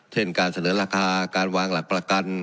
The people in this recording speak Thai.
เช่นการเสนอราคาการวางหลักประกัน